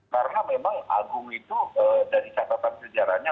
karena memang agung itu dari catatan sejarahnya